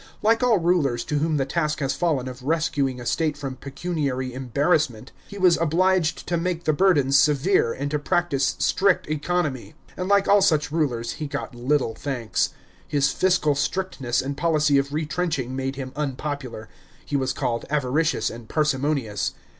Like all rulers to whom the task has fallen of rescuing a state from pecuniary embarrassment, he was obliged to make the burdens severe, and to practise strict economy. And like all such rulers he got little thanks. His fiscal strictness and policy of retrenching made him unpopular; he was called avaricious and parsimonious.